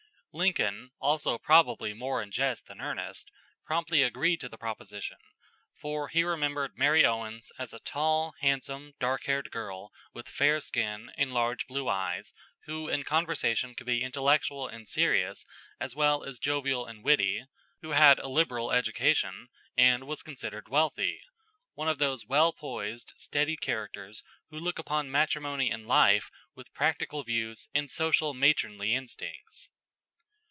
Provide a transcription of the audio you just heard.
Lincoln, also probably more in jest than earnest, promptly agreed to the proposition; for he remembered Mary Owens as a tall, handsome, dark haired girl, with fair skin and large blue eyes, who in conversation could be intellectual and serious as well as jovial and witty, who had a liberal education, and was considered wealthy one of those well poised, steady characters who look upon matrimony and life with practical views and social matronly instincts.